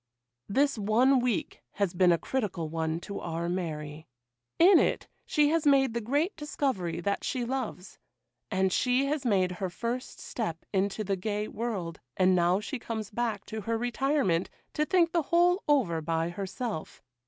This one week has been a critical one to our Mary: in it she has made the great discovery that she loves; and she has made her first step into the gay world; and now she comes back to her retirement to think the whole over by herself.